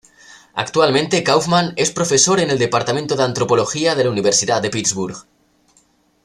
Actualmente, Kaufman es profesor en el departamento de antropología de la Universidad de Pittsburgh.